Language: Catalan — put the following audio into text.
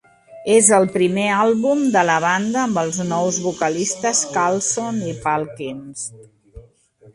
És el primer àlbum de la banda amb els nous vocalistes Karlsson i Palmqvist.